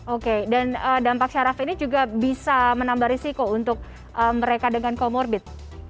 oke dan dampak syaraf ini juga bisa menambah risiko untuk mereka dengan comorbid